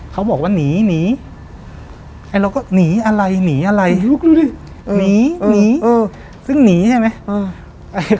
เขาบอกว่าหนีแล้วก็หนีอะไรหนีอะไรหนีซึ่งหนีใช่ไหม